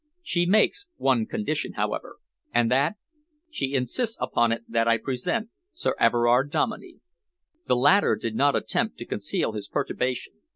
She makes one condition, however." "And that?" "She insists upon it that I present Sir Everard Dominey." The latter did not attempt to conceal his perturbation.